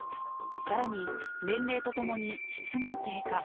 さらに、年齢とともに質も低下。